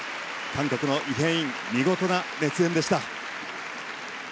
韓国のイ・ヘイン見事な熱演でした。